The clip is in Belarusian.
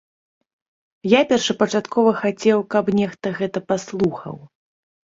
Я першапачаткова хацеў, каб нехта гэта паслухаў.